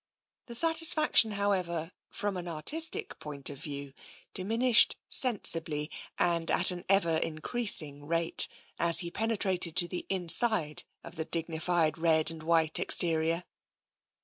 The satisfaction, however, from an artistic point of view, diminished sensibly and at an ever increasing rate as he penetrated to the inside ot the dignified red and white exterior.